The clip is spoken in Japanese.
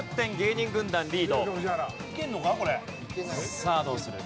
さあどうする？